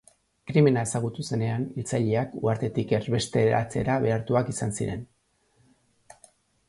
Krimena ezagutu zenean, hiltzaileak, uhartetik erbesteratzera behartuak izan ziren.